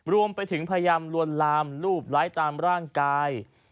รวมไปถึงพยายามลวนลามรูปไร้ตามร่างกาย